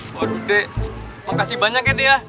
waduh dek kok kasih banyak ya dek ya